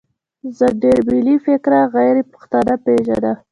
زه ډېر ملي فکره غیرپښتانه پېژنم.